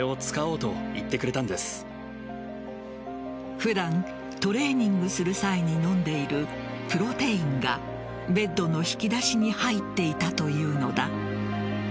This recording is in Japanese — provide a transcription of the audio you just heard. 普段、トレーニングする際に飲んでいるプロテインがベッドの引き出しに入っていたというのだ。